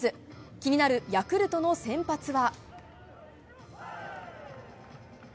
気になるヤクルトの先発は。